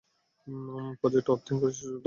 প্রজেক্টটা অর্থায়ন করেছে সংযুক্ত আরব আমিরাত সরকার।